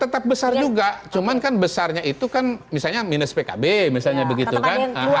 tetap besar juga cuman kan besarnya itu kan misalnya minus pkb misalnya begitu kan